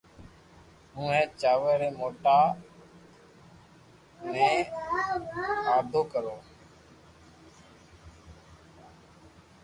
ھين اي چاور ري دوڻا ني آدو ڪريو